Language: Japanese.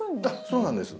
そうなんです。